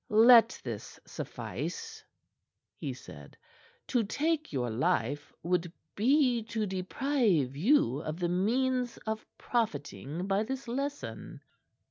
"Let this suffice," he said. "To take your life would be to deprive you of the means of profiting by this lesson."